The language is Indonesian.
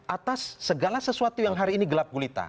atas segala sesuatu yang hari ini gelap gulita